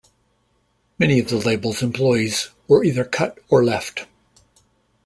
Many of the label's employees were either cut or left.